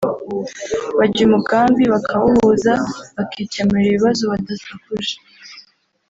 bajya umugambi bakawuhuza bakikemurira ibibazo badasakuje